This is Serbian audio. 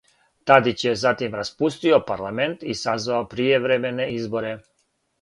Тадић је затим распустио парламент и сазвао пријевремене изборе.